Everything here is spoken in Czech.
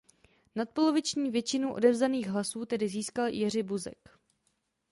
Nadpoloviční většinu odevzdaných hlasů tedy získal Jerzy Buzek.